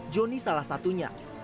joni salah satunya